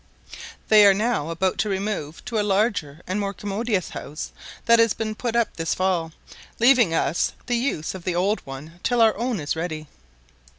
They are now about to remove to a larger and more commodious house that has been put up this fall, leaving us the use of the old one till our own is ready.